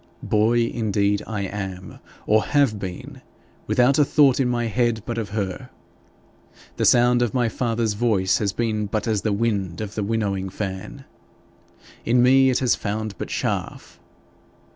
Boy indeed I am or have been without a thought in my head but of her. The sound of my father's voice has been but as the wind of the winnowing fan. In me it has found but chaff.